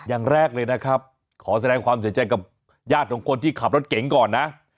อย่างแรกเลยนะครับขอแสดงความเสียใจกับญาติของคนที่ขับรถเก๋งก่อนนะ